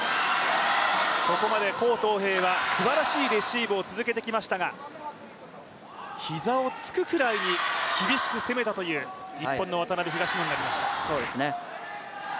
ここまで黄東萍はすばらしいレシーブを続けてきましたが、膝をつくぐらいに厳しく攻めたという日本の渡辺・東野になりました。